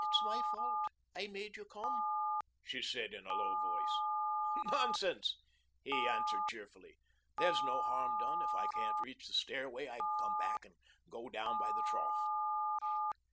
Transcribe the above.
"It's my fault. I made you come," she said in a low voice. "Nonsense," he answered cheerfully. "There's no harm done. If I can't reach the stairway I can come back and go down by the trough."